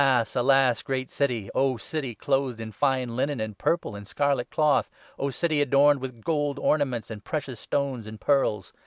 O City 16 clothed in fine linen, and purple, and scarlet cloth ! O City adorned with gold ornaments, and precious stones, and pearls